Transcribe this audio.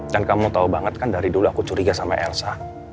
dan kamu tau banget kan dari dulu aku curiga sama elsa